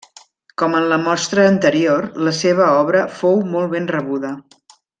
Com en la mostra anterior, la seva obra fou molt ben rebuda.